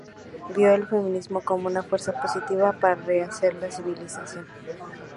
Vio el feminismo como una fuerza positiva para rehacer la civilización.